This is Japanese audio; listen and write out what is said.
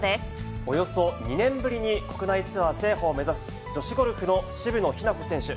およそ２年ぶりに国内ツアー制覇を目指す、女子ゴルフの渋野日向子選手。